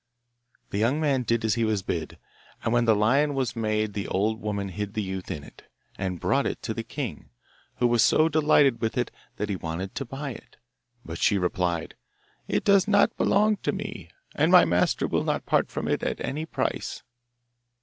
The young man did as he was bid, and when the lion was made the old woman hid the youth in it, and brought it to the king, who was so delighted with it that he wanted to buy it. But she replied, 'It does not belong to me, and my master will not part from it at any price.